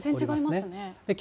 全然違いますね。